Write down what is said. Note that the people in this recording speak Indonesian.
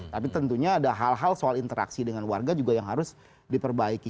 tapi tentunya ada hal hal soal interaksi dengan warga juga yang harus diperbaiki